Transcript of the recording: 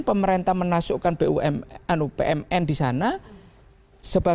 pemerintah menasukkan bumn di sana